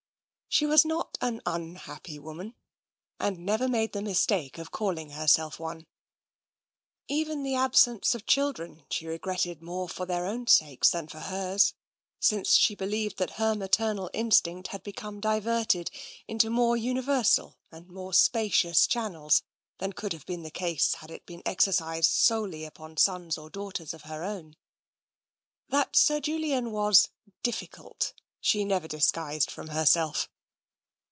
She was not an unhappy woman, and never made the mistake of calling her self one. Even the absence of children she regretted more for their own sakes than for hers, since she be lieved that her maternal instinct had become diverted into more universal and more spacious channels than could have been the case had it been exercised solely upon sons or daughters of her own. That Sir Julian was " difficult '' she never disguised from herself.